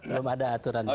belum ada aturan